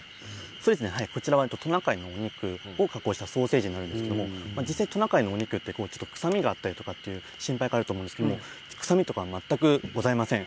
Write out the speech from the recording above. トナカイのお肉を加工したソーセージなんですが実際トナカイのお肉は臭みがあったりという心配があると思うんですが臭みは全くございません。